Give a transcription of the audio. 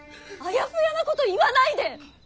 あやふやなこと言わないで！